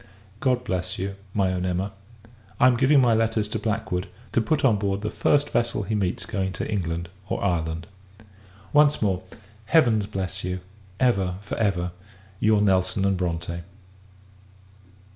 God bless you, my own Emma! I am giving my letters to Blackwood, to put on board the first vessel he meets going to England, or Ireland. Once more, Heavens bless you! Ever, for ever, your NELSON & BRONTE.